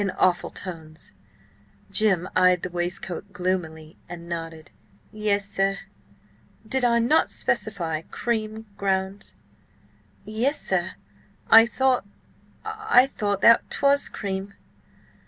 in awful tones. Jim eyed the waistcoat gloomily and nodded. "Yes, sir." "Did I not specify cream ground?" "Yes, sir. I thought–I thought that 'twas cream!"